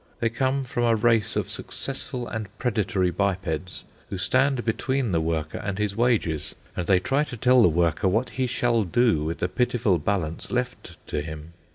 They come from a race of successful and predatory bipeds who stand between the worker and his wages, and they try to tell the worker what he shall do with the pitiful balance left to him.